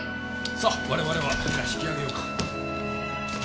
さあ我々は引き上げようか。